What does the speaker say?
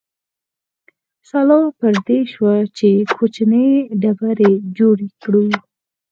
سلا پر دې شوه چې کوچنۍ ډبرې جوړې کړو.